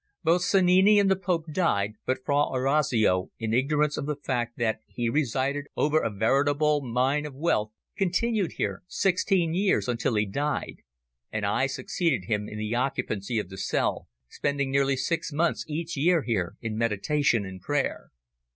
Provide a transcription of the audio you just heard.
Both Sannini and the Pope died, but Fra Orazio, in ignorance of the fact that he resided over a veritable mine of wealth, continued here sixteen years, until he died, and I succeeded him in the occupancy of the cell, spending nearly six months each year here in meditation and prayer.